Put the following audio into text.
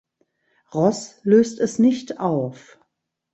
Ross löst es nicht auf.